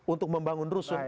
untuk membangun rusun